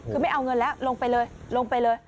คือไม่เอาเงินแล้วลงไปเลยลงไปเลย